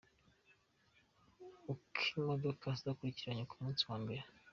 Uko imodoka zakurikiranye ku munsi wa mbere.